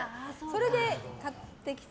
それで買ってきて。